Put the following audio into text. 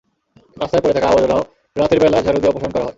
রাস্তায় পড়ে থাকা আবর্জনাও রাতের বেলা ঝাড়ু দিয়ে অপসারণ করা হয়।